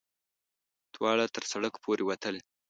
دواړه تر سړک پورې وتل.